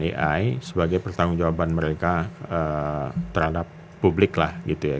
ai sebagai pertanggung jawaban mereka terhadap publik lah gitu ya